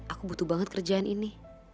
aku butuh banget kerjaan ini